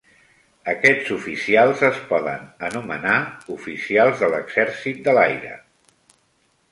Aquests oficials es poden anomenar "oficials de l'exèrcit de l'aire".